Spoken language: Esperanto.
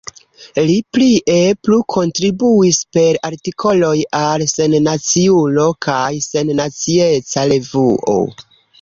Li plie plu kontribuis per artikoloj al Sennaciulo kaj Sennacieca Revuo.